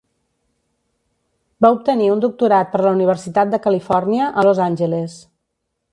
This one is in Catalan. Va obtenir un doctorat per la Universitat de Califòrnia, a Los Angeles.